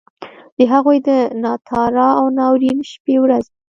د هغوی د ناتار او ناورین شپې ورځي.